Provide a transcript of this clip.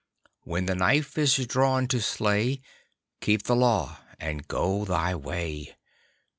When the knife is drawn to slay, Keep the Law and go thy way.